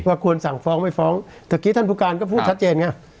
ควรสั่งฟ้องไม่ฟ้องตะกี้ท่านผู้การก็พูดชัดเจนไง